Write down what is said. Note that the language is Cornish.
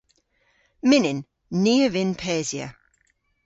Mynnyn. Ni a vynn pesya.